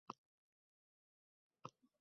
o‘zining vorisiga “Dunyoda kasblar ko‘p.